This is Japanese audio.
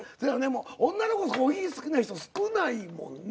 女の子コーヒー好きな人少ないもんね。